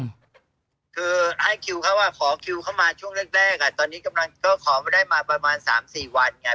แม่คือให้คิวเขาขอคิวเข้ามาช่วงเร็กอ่ะตอนนี้กวัดมาก็ได้มาประมาณสามสี่วันไง